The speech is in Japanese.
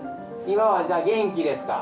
今はじゃあ元気ですか？